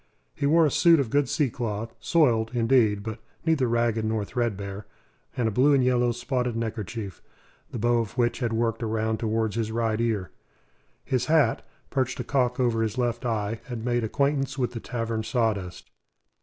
He wore a suit of good sea cloth soiled, indeed, but neither ragged nor threadbare and a blue and yellow spotted neckerchief, the bow of which had worked around towards his right ear. His hat, perched a cock over his left eye, had made acquaintance with the tavern sawdust.